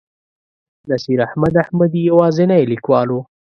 نصیر احمد احمدي یوازینی لیکوال و.